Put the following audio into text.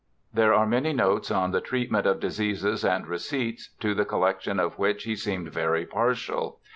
There are many notes on the treatment of diseases and receipts, to the collection of which he seemed very partial.